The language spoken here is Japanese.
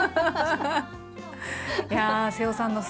いや瀬尾さんの巣